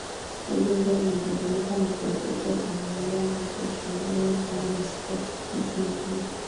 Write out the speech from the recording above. Ugonjwa uligundulika na kuripotiwa kwa ngamia mwaka ishirini kumi na sita nchini Kenya